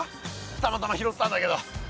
たまたま拾ったんだけど。